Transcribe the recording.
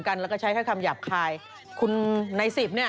ช่วยกันโกลดินตุวิทยาศาสตร์